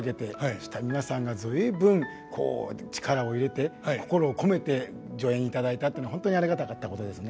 そしたら皆さんが随分こう力を入れて心を込めて助演いただいたっていうのは本当にありがたかったことですね。